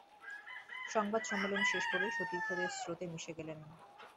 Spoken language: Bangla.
সংবাদ সম্মেলন শেষ করেই সতীর্থদের স্রোতে মিশে গেলেন অধিনায়ক অ্যাঞ্জেলো ম্যাথুস।